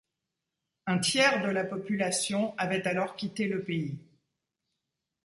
Un tiers de la population avait alors quitté le pays.